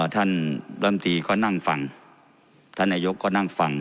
ท่านรำตีก็นั่งฟังท่านนายกก็นั่งฟัง